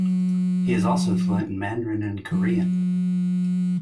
He is also fluent in Mandarin and Korean.